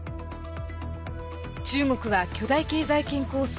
中国は巨大経済圏構想